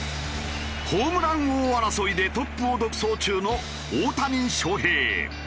ホームラン王争いでトップを独走中の大谷翔平。